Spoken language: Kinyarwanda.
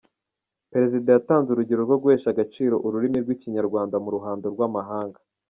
Perezida Kagame yatanze urugero rwo guhesha agaciro ururimi rw’Ikinyarwanda mu ruhando rw’amahanga.